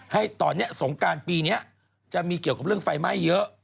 ให้ตอนนี้สงการปีนี้จะมีเกี่ยวกับเรื่องไฟไหม้เยอะ